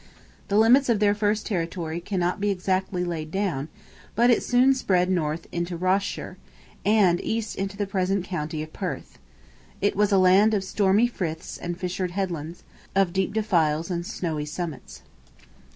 The limits of their first territory cannot be exactly laid down; but it soon spread north into Rosshire, and east into the present county of Perth. It was a land of stormy friths and fissured headlands, of deep defiles and snowy summits.